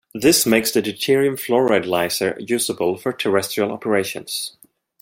This makes the deuterium fluoride laser usable for terrestrial operations.